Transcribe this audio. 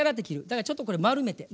だからちょっとこれ丸めて。